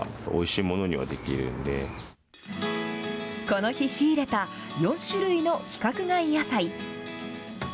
この日、仕入れた４種類の規格外野菜。